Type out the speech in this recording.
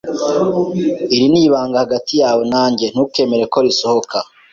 Iri ni ibanga hagati yawe nanjye, ntukemere ko risohoka.